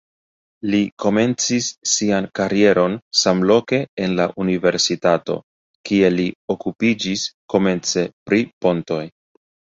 Li komencis sian karieron samloke en la universitato, kie li okupiĝis komence pri pontoj.